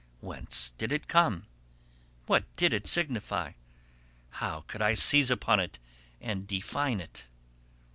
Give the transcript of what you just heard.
Whence did it come? What did it signify? How could I seize upon and define it?